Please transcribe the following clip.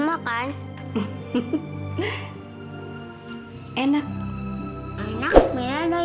gak kalau begini kan gampang